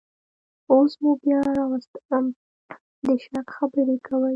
اوس مو بیا راوستلم او د شک خبرې کوئ